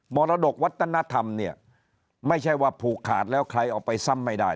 มรดกวัฒนธรรมเนี่ยไม่ใช่ว่าผูกขาดแล้วใครเอาไปซ้ำไม่ได้